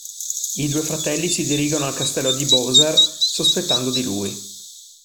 I due fratelli si dirigono al Castello di Bowser, sospettando di lui.